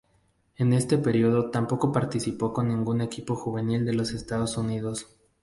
En este periodo tampoco participó con ningún equipo juvenil de los Estados Unidos.